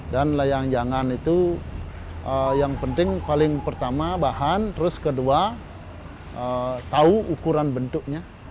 dan layang janggan itu yang penting paling pertama bahan terus kedua tahu ukuran bentuknya